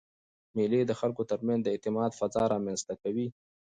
مېلې د خلکو ترمنځ د اعتماد فضا رامنځ ته کوي.